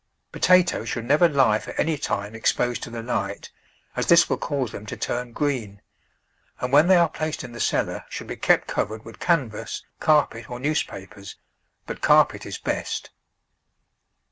Potatoes should never lie for any time exposed to the light, as this will cause them to turn green, and when they are placed in the cellar, should be kept covered with canvas, car pet, or newspapers, but carpet is best.